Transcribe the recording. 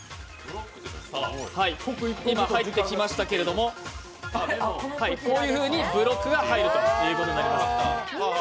今、入ってきましたけれど、こういうふうにブロックが入ることになります。